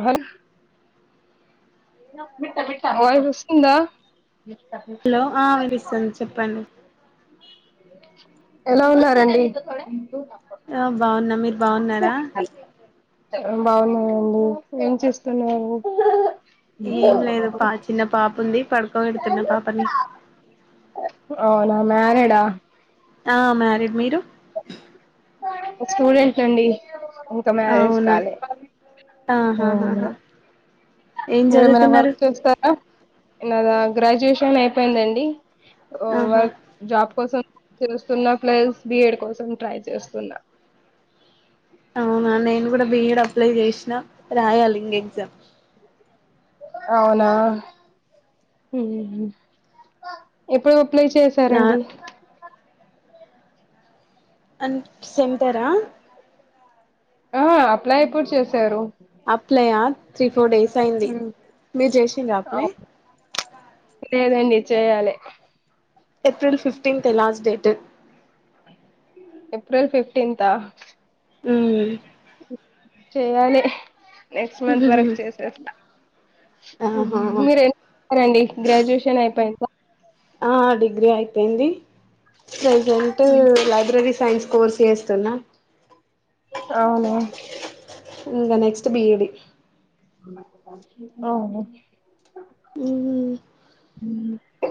Hour నా voice వస్తుందా hello ఆ వినిపిస్తాంది చెప్పండి. ఎలా ఉన్నారండి. ఆ బాగున్నా మీరు బాగున్నారా బాగున్నాయండి ఏం చేస్తున్నారు. ఏం లేదు పా చిన్న పాప ఉంది పడుకోబెడుతున్న పాపని అవున మ్యారీడ్ ఆ ఆ మ్యారిడ్ మీరు ఒక స్టూడెంట్నండి. ఇంక మ్యారేజ్ అవునా కాలే అవున ఆహాహాహా ఏం మీరేమైనా చదువుతున్నారు వర్క్ చేస్తారా నాదా గ్రాడ్యుయేషన్ అయిపోయిందండి. ఆహా వర్క్ జాబ్ కోసం చూస్తున్నా ప్లస్ బీ ఈ డీ కోసం ట్రై చేస్తున్నా అవునా నేను కూడా బిఎడ్ అప్లై చేసిన రాయాలింగ ఎగ్జామ్ అవునా ఉహూ ఇప్పుడు అప్లై నా చేశారండి. అంట్ సెంటరా ఆ అప్లై ఎప్పుడు చేసారు. అప్లయా త్రీ ఫోర్ డేస్ అయింది మీరు చేసిండ్రా అప్లై లేదండి చేయాలే. ఏప్రిల్ ఫిఫ్టీన్తే లాస్ట్ డేట్ ఏప్రిల్ ఫిఫ్టీంత ఊ చేయాలే. నెక్స్ట్ మంత్ వరక్ చేసేస్తా ఆహా మీరేమ్ చేస్తారండి గ్రాడ్యుయేషన్ అయిపోయినంక ఆ డిగ్రీ అయిపోయింది. ప్రజంట్ లైబ్రరీ సైన్స్ కోర్సు చేస్తున్న అవును. ఇంకా నెక్స్ట్ బిఈడి. అవును ఉహ్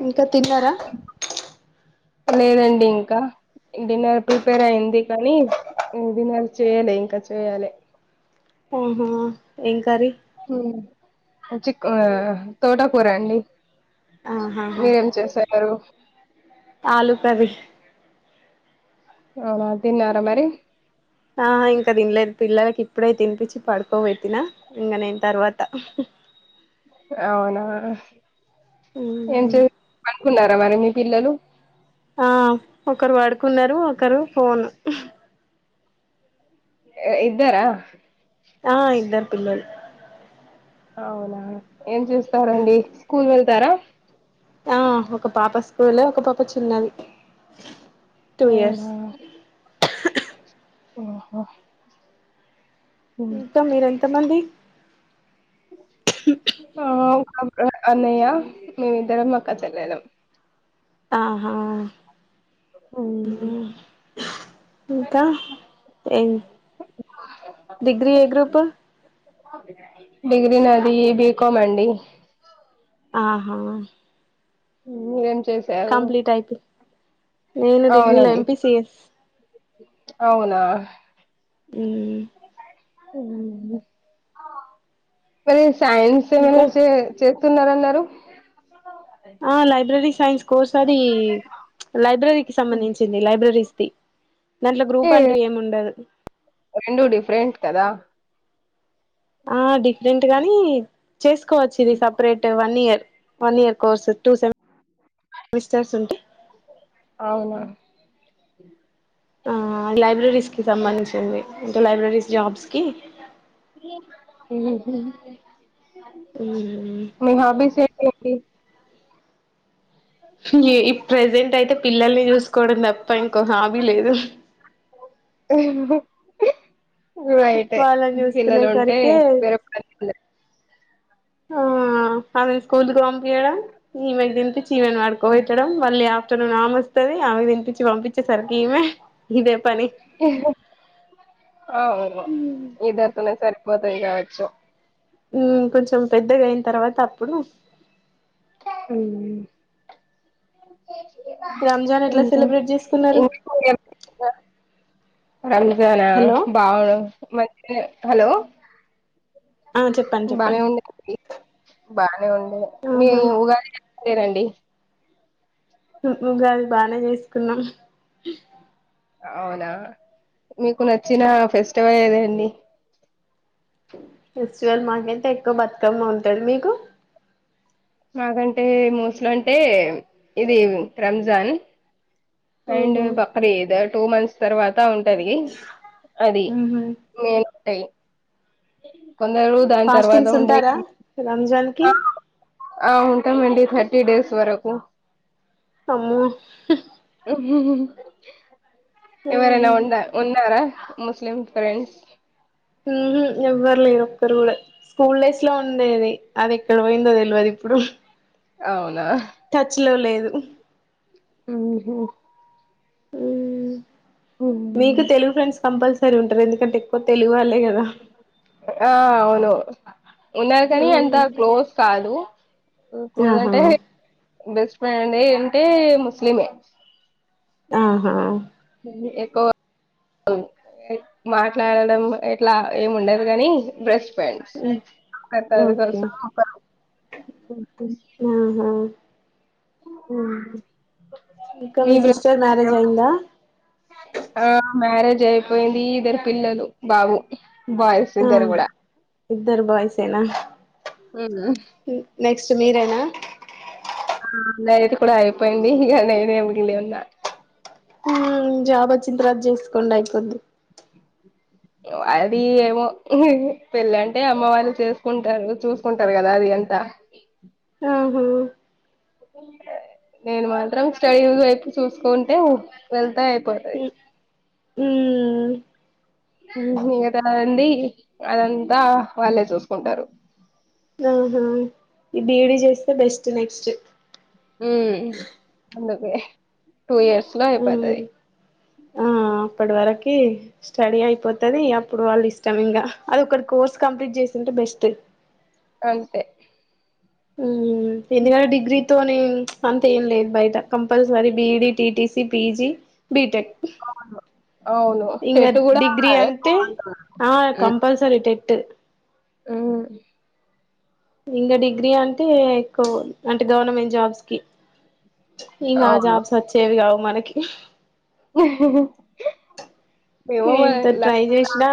ఇంక తిన్నారా లేదండి ఇంకా డిన్నర్ ప్రిపేర్ అయింది కానీ డిన్నర్ చేయాలి ఇంకా చేయాలి ఆహా ఏంకర్రి చిక్ ఆహ్ తోట కూర అండి మీరేం చేసారు ఆలూ కర్రీ అవునా తిన్నారా మరి ఆ ఇంకా తినలేదు పిల్లలకి ఇప్పుడే తినిపించి పడుకోబెట్టిన ఇంగ నేను తర్వాత అవునా ఏం చే అనుకున్నారు మర మీ పిల్లలు ఆ ఒకరు వడుకున్నరు ఒకరు ఫోన్ ఇద్దరా ఆ ఇద్దరు పిల్లలు అవునా ఏం చేస్తారండి స్కూల్ వెళ్తారా ఆ ఒక పాప స్కూలు ఒక పాప చిన్నది టూ ఇయర్స్ అవునా ఓహో ఇంకా మీరు ఎంతమంది ఆ అన్నయ్య మేమిద్దరం అక్క చెల్లెలం ఆహా ఇంకా ఏ డిగ్రీ ఏ గ్రూపు డిగ్రీ నాది బికామ్ అండి ఆహా మీరేం చ కంప్లీట్ అయిపే నేను డిగ్రీలో అవునండి ఎంపిసిఎస్ అవునా హ్మ్ ప సైన్స్ ఇంకా న్యూసే చేస్తున్నారన్నారు ఆ లైబ్రెరీ సైన్స్ కోసారి లైబ్రరీకిి అంటే సంబంధించింది లైబ్రరీస్ది దాంట్ల గ్రూప్ అంటూ ఏమి ఉండదు రెండు డిఫరెంట్ కదా ఆ డిఫరెంట్ అ కానీ చేసుకోవచ్చు ఇది separate one year one year course two స సెమిస్టర్స్ ఉంటే అవునా ఆ లైబ్రర కిసమానించైబ్రీ జాబ్స్కి మహబస ఇ ఈ ప్రెజెంట్ అయితే పిల్లల్ని చూసుకోవడం తప్ప ప్ప ఇంకో హాబీ లేదు ఆ రైట్ ఏ వాళ్ళని పిల్లలు ఉంటే చూసుకునేసరికే వేరే పని ఉండే హా వాళ్ళన్ స్కూల్కి పంపియడం ఈమె కి తిన్ పి చీ వాన్ వాడ్ కోవెట్టడం వళ్ యా తను నామ వస్తది ఆమెకి తినిపించి పంపి చ్చే సరికి ఈమె ఇదే పని అవును ఇద్దరితోనే సరిపోతది కావొచ్చు ఉం కొంచెం పెద్దగా అయిన తర్వాత అప్పుడు అవును రంజాన్ ఎట్లా ఇంకా సెలబ్రేట్ చేసుకున్నారు [inaudible] రంజానా హలో బావును మంచి ఎ హలో ఆ చెప్పండి బానే చెప్పండి ఉండే ది బానే ఉండే మీ ఆహా ఇ ఉగా లేే రండి ఉగాది బానే చేసుకున్నాం అవునా మీకు నచ్చిన ఫెస్టివల్ ఏదండి ఫెస్టివల్ మాకైతే ఎక్కువ బతుకమ్మ ఉంటాడు మీకు మాకంటే మోస్లు అంటే ఇది రంజాన్ అండ్ ఉహు బక్రీ ఇద్ టూ మంత్స్ తర్ వాత్ టా ఉంటది అది ఉహు నేన్ టేయి కొందరు దాని తర్వాత ఫాస్టింగ్స్ ఉండే ఉంటారా రంజాన్ కి ఆ అవును ఉంటాం అండి తర్టిడేస్ వరకు అమ్మో హ మహు ఎవరైనా ఉమ్ ఉండ ఉన్నారా ముస్లిం ఫ్రెండ్స్ మ్ హు ఎవ్వరు లేరు ఒక్కరు గూడా స్కూల్ డేస్ లో ఉండేది అది ఎక్కడ పోయిందో తెలువదు ఇప్పుడు అవునా ఉ హు మ్ హు ము మీకు తెలుగు ఫ్రెండ్స్ కంపల్స్ రీ ఉంటారు ఎందుకంటే ఎక్కువ తెలుగు వాళ్ళు అంతే గదా ఆ అవును ఉన్నారు కానీ అంత క్లోజ్ కాదు క్లోజ్ ఆహా అంటే బెస్ ఫ్రెండ్ ఉంటే ముస్లిమే ఆహా ఎక్కువ మాట్లాడడం ఎట్లా ఏమి ఉండదు గాని బ్రష్ ఫ్రెండ్స్ ఓకే ఒకరికోసం ఒకరు [inaudible] ఆహా మ్ ఇంకా మీ సిస్టర్ మ్యారేజ్ అయిందా పెళ్లి అయిపోయింది ఇద్దరు పిల్లలు బాబు బాయ్స్ ఆ ఇద్దరు కూడా ఇద్దరు బాయ్స్ నా నెక్స్ట్ మీరేనా అన్నయది కూడా అయిపోయింది ఇగా నేనే మిగిలి ఉన్నా మ్ జాబ్ వోచిన తర్వాత చేసుకోండి అయిపోద్ది అది ఏమో పెళ్ళి అంటే అమ్మ వాళ్ళు చేసుకుంటారు చూసుకుంటారు గదా అది అంతా ఆహా నేను మాత్రం స్టడీ వైపు చూసుకుంటే వెళ్తే అయిపోతది ఉమ్ మిగతాది అన్నీ అదంతా వాళ్ళే చూసుకుంటారు ఆహా ఈ బీఇడ్ చేస్తే బెస్ట్ నెక్స్ట్ ఉమ్ [inaudible] టూ ఇయర్స్ లో ఉమ్ అయిపోతది ఆ అప్పటి వరకి స్టడీ అయిపోతుది అప్పుడు వాళ్ళు ఇష్టం ఇంగా అది ఒకటి కోర్స్ కంప్లీట్ చేసి ఉంటే బెస్ట్ అంతే ఉమ్ ఎందుకంటే డిగ్రీతోనే అంతే ఏం లేదు బయట, compulsory BEd, TTC, PG, BTech. అవును ఇంగ టెట్ కూడా డిగ్రి అంటే, ఆ కంపల్సరి టెట్. ఉమ్ ఇంగ డిగ్రీ అంటే ఎక్కువ, అంటే గవర్నమెంట్ జాబ్స్ కి. ఇంగ ఆ అవును జాబ్స్ వచ్చేవి కావ్. మనకి మేము ఏంత ట్రై చేసిన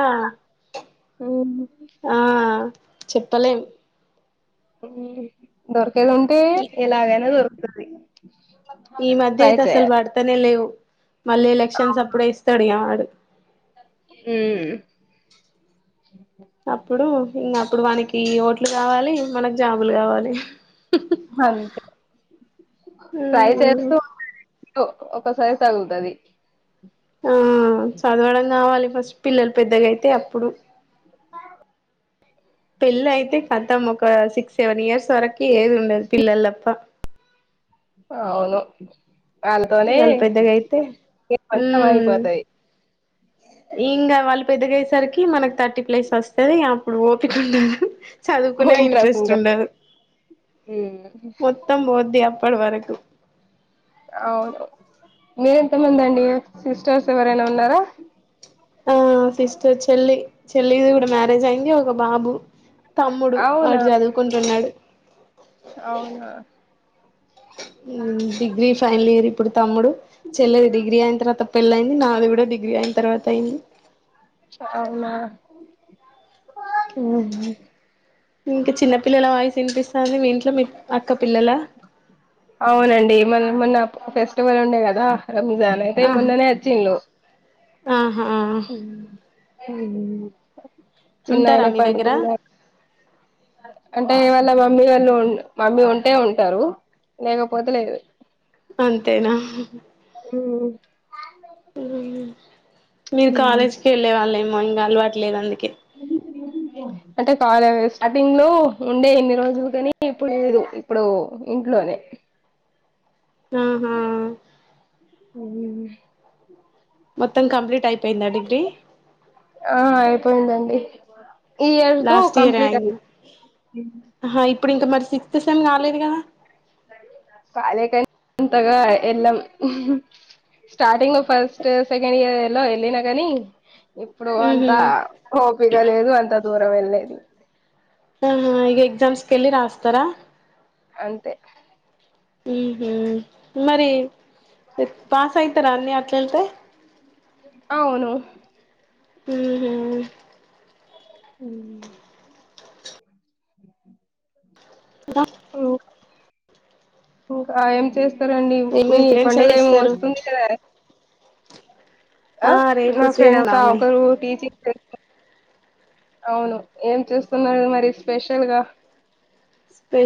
అవును ఆ చెప్పలేం దొర్క ఎలుంటే ఎలాగైనా దొరుకు [inaudible] ఈ మధ్యయితే అసలు పడతనేే లేవు. మళ్ళీ ఎలక్షన్స్ అప్పుడే ఇస్తడు ఇగ వాడు. హ్మ్ అప్పుడు ఇంకా అప్పుడు వానకి ఓట్లు కావాలి, మనకు జాబులు కావాలి. అంతే ట్రై చేస్తూ అంటే ఒకసారి తగులుతది ఆ చదవడం కావాలి ఫస్ట్, పిల్లలు పెద్దగయితే అప్పుడు ఆ పెళ్ళయితే కతం, ఒక సిక్స్ సెవెన్ ఇయర్స్ వరకు ఏది ఉండదు. పిల్లల్ తప్ప అవును ఇగ వాళ్ళతోనే ఆల్ పెద్దగయితే, కొంచెం అయిపోతాయి ఇంగ వల్ పెద్దగయేసరికి మనకి థర్టీ ప్లస్ వస్తది, ఇగ అప్పుడు ఓపిక ఉండదు. చదువుకునే ఇంట్రెస్ట్ ఉండదు, ఉమ్ మొత్తం పోద్ది అప్ పుడు వరకు అవును, మీర ఎంతమంది అండి, సిస్టర్స్ ఎవరైనా ఉన్నారా? ఆ సిస్టర్, చెల్లి చెల్లిది కూడా మ్యారేజ్ అయింది, ఒక బాబు తమ్ముడు వాడు చదువుకుంటున్నడు. అవును డిగ్రీ ఫైనల్ ఇయర్ ఇప్పుడు తమ్ముడు చెల్లెది డిగ్రీ అయిన తర్వాత పెళ్ళయింది నాది గుడా డిగ్రీ అయిన తర్వాత అయింది చాలా ఎన్నుహి ఇంకా చిన్న పిల్లలా వాయిస్ వినిపిస్తది మీ ఇంట్ల అవునండి మనం మొన్న ఫెస్టివల్ ఉండే గదా రంజానే అరేయ్ మొన్న నే అచ్చిన్లు ఆ ఊ ఉంటారా చిన్నయనే మీ దగ్గర పండుకున్నాడు అంటే ఇవాళ మామ్ మమ్మీ గాళ్ళు ఉండు మమ్మీ ఉంటే ఉంటారు లేకపోతే లేదు అంతేనా ఉ ఉ మీరు ఉమ్. కాలేజీకి వెళ్లే వాళ్ళు ఎమ్ మగ్ ఇంగ అలవాటులేదు అందుకే అంటే కాలేజ్ స్టార్టింగ్ లో ఉండే ఇన్ని రోజులు గాని ఇప్పుడు లేదు ఇప్పుడు ఇంట్లోనే ఆహా ఉహు మొత్తం కంప్లీట్ అయిపోయిందా డిగ్రీ ఆ అయిపోయిందండి బోలో ఈ ఇయర్ తో లాస్ట్ ఇయర్ కంప్లీట్ అయి అయిందా ఆహా ఇప్పుడు ఇంకా మర్ సి సిస్ ఎమ్ గాలేదు గదా కాలేకని అంతగా వెళ్ళాం ఉహు స్టార్టింగ్ లో ఫస్ట్ సెకండ్ ఇయర్ లో వెళ్ళినా గానీ ఇప్పుడు అంత ఉహు ఓపిక లేదు అంతత్ దూరం వెళ్ళది ఆ ఇగ ఎగ్జామ్స్ కెళ్ళి రాస్తారా అంతే ఉహు మరి పాస్ అయితరా అన్ని అట్ల వెళ్తే అవును ఉహు ఉ కుద ఓ ఉక ఏం చేస్ స్తారండి మీ ఫ్రెండ్స్ ఏం పండుగ ఏమో చేస్తారు వస్తుంది గదా ఆ రేపు నా ఫ్రెండ్స్ ఆ శ్రీరామనవమి ఒక్కలు టీచింగ్ అవును ఏం చేస్తున్నారు గా మరి స్పెషల్ గా స్పె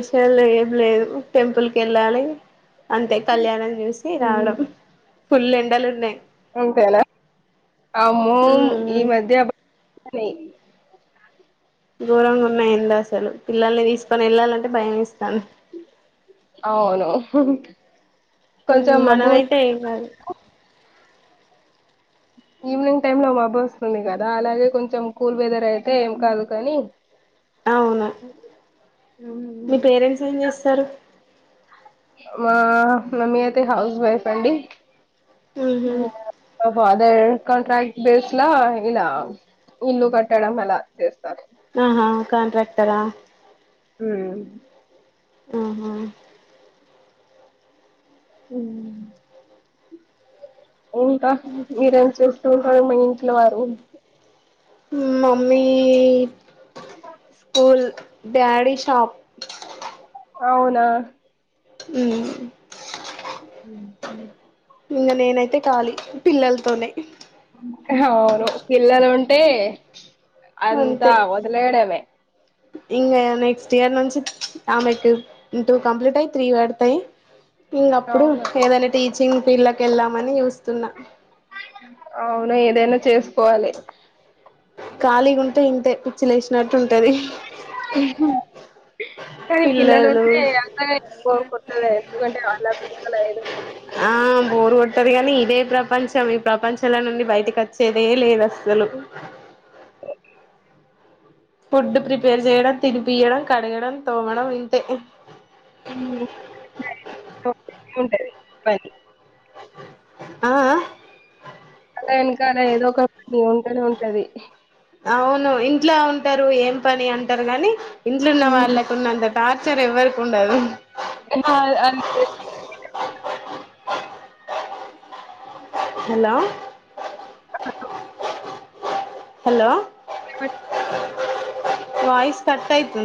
అంతే కళ్యాణం చూసి రావడం పుల్లెండలున్నయి అంతేనా అమ ఈ ఉమ్ మధ్య అే ఘొరంగా ఉన్నాయ్ ఎండ అసలు పిల్లల్ని పను వెళ్ళాలంటే భయం ఏస్తాన్ అ మనంమైతే ఏంకాదు ఈవినింగ్ టైమ్ లో మబ్బ వస్తుంది కదా అలాగే కొంచెం కూల్ వెదర్ అయితే ఏం కాదు కానీ అవునా మీ పేరెంట్స్ ఏం చేస్తారు మా మమ్మీ అయితే హౌస్ వైఫ్ అండి ఉహు బ కాంట్రాక్ట్ బేస్ లా ఇలా ఇల్లు కట్టడం అలా చేస్తారు ఆహా కాంట్రాక్టరా మ్ ఆ హా ఉ ఇంకా మీరేం చేస్తూ ఉంటారు ఇం ఇలు వారు మమ్మీ స్కూల్ డాడి షాప్ అవునా మ్ ఇంకా నేనైతే కాలి పిల్లల్తోనే అవును పిల్లలుంటే అంతా వదిలేయడమే ఇంకా నెక్స్ట్ ఇయర్ నుంచి ఆమెకు టూ కంప్లీట్ అయి్యి త్రీ వడతాయి ఇంగ అప్పుడు అవును ఏదైనా చిన్ పిల్ళక వెళ్దామని చూస్తున్నా అవును ఏదైనా చేసుకోవాలి ఖాళీ ఉంటే ఇంతే పిచ్చి లేసినట్టు ఉంట ది కనీ పిల్లలు ఉంటే అంకా ఎ కొత్తద ఎందుకంటే అట్లా పెడతాల ఏదో ఆ బోరు కొట్టది కానీ. ఇదే ప్రపంచం ఈ ప్రపంచాల నుండి బయటకు వచ్చేదే లేదు. అసలు ఓ ఫుడ్ ప్రిపేర్ చేయడం. తినిపియడం, కడగడం, తోమడం ఇంతే. [unintelligible] ఉంటది పని ఆహ్ ఆ అలా వెనకల ఏదో ఒక పని ఉంటనే ఉంటది. అవును ఇంట్లా ఉంటారు. ఏం పని అంటారు గాని ఇంట్లున్న ఉమ్. వాళ్ళకు ఉన్నంత టర్ చార్ ఎవర్కె ఉండదు. అహ్ ఆహ్ [unintelligible] హలో హలో అ [unintelligible] వయిస్ కటయితున్